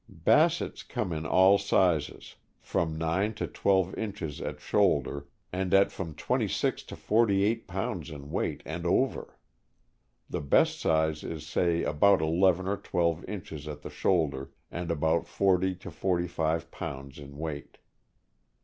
— Bassets come in all sizes, from nine THE BASSET HOUND. 215 to twelve inches at shoulder and at from twenty six to forty eight pounds in weight and over. The best size is say about eleven or twelve inches at the shoulder and about forty to forty five pounds in weight.